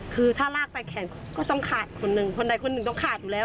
คือถ้าลากไปแขนก็ต้องขาดคนหนึ่งคนใดคนหนึ่งต้องขาดอยู่แล้ว